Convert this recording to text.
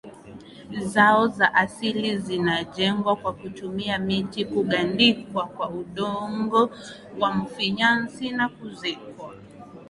zao za asili zinajengwa kwa kutumia miti kugandikwa kwa udongo wa mfinyanzi na kuezekwa